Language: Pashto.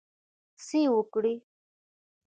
څه وکړی.